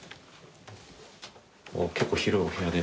結構広いお部屋で。